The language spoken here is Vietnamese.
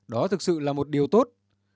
đó thực sự là một điều tốt